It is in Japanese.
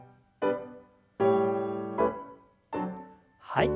はい。